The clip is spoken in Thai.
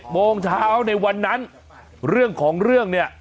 โมงเช้าในวันนั้นเรื่องของเรื่องเนี่ย